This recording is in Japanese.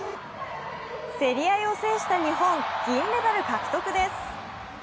競り合いを制した日本、銀メダル獲得です。